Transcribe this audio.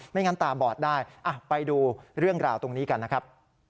งั้นตาบอดได้ไปดูเรื่องราวตรงนี้กันนะครับ